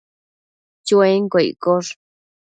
Chuenquio iccosh